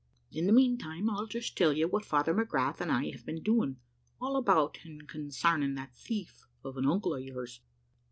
In the meantime, I'll just tell you what Father McGrath and I have been doing, all about and consarning that thief of an uncle of yours.